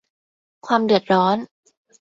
ความเดือดร้อน